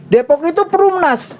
depok itu perumnas